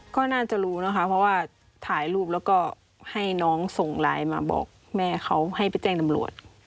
ก็น่าจะรู้นะคะเพราะว่าถ่ายรูปแล้วก็ให้น้องส่งไลน์มาบอกแม่เขาให้ไปแจ้งตำรวจ